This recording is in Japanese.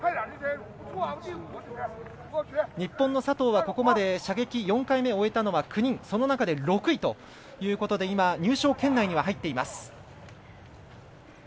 日本の佐藤はここまで射撃４回目を追えたのは９人その中で６位ということで入賞圏内には入っています。